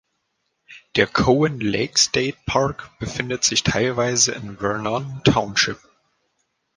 Der Cowan Lake State Park befindet sich teilweise in Vernon Township.